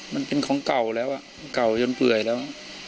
มันเป็นของเก่าแล้วเก่าจนเปื่อยแล้ว